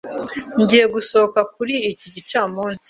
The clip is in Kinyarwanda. Ngiye gusohoka kuri iki gicamunsi.